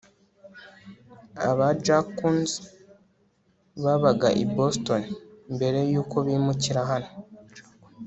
aba jackons babaga i boston mbere yuko bimukira hano